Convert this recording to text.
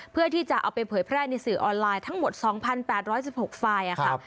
เพื่อที่จะเอาไปเผยแพร่ในสื่อออนไลน์ทั้งหมด๒๘๑๖ไฟล์ค่ะ